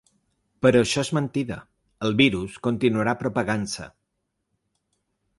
Però això és mentida, el virus continuarà propagant-se.